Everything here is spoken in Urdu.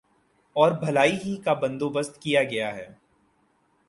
اور بھلائی ہی کا بندو بست کیا گیا ہے